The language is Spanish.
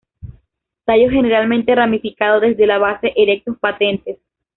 Tallos generalmente ramificados desde la base, erecto-patentes.